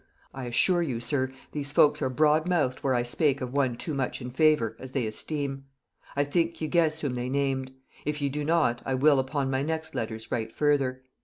"I assure you, sir, these folks are broad mouthed where I spake of one too much in favor, as they esteem. I think ye guess whom they named; if ye do not, I will upon my next letters write further.